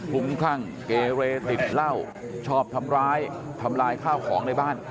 คุ้มคลั่งเกเรติดเหล้าชอบทำร้ายทำลายข้าวของในบ้าน